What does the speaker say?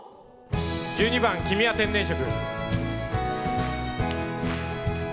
１２番「君は天然色」。